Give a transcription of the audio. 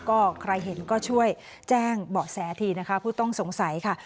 ก็ใครเห็นก็ช่วยแจ้งเบาะแสทีนะคะผู้ต้องสงสัยค่ะ